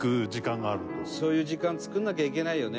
「そういう時間作らなきゃいけないよね」